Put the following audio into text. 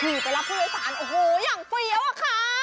ขี่ไปรับผู้โยศาลอย่างเฟียวอะครับ